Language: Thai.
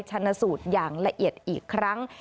ชนะสูตรอย่างละเอียดอีกครั้ง